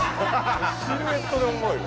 シルエットでおもろいわ。